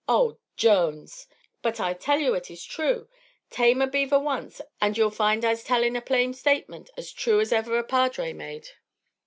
"Oh! Jones!" "But, I tell you it is true. Tame a beaver once, and you'll find I'se tellin' a plain statement as true as ever a Padre made."